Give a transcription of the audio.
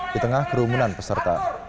di tengah kerumunan peserta